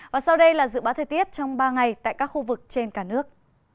và sau đây là dự báo thời tiết trong ba ngày tại các khu vực trên cả nước